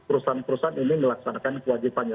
perusahaan perusahaan ini melaksanakan kewajibannya